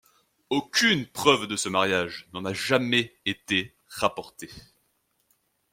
Aucune preuve de ce mariage n'en a jamais été rapportée.